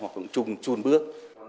hoặc trùn bước